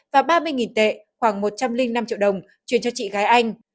và ba mươi tệ khoảng một trăm linh năm triệu đồng chuyển cho chị gái anh